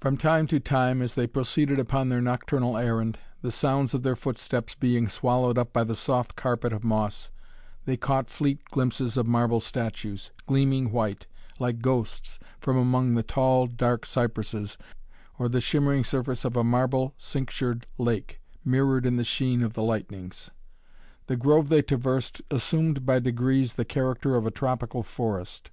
From time to time, as they proceeded upon their nocturnal errand, the sounds of their footsteps being swallowed up by the soft carpet of moss, they caught fleet glimpses of marble statues, gleaming white, like ghosts, from among the tall dark cypresses, or the shimmering surface of a marble cinctured lake, mirrored in the sheen of the lightnings. The grove they traversed assumed by degrees the character of a tropical forest.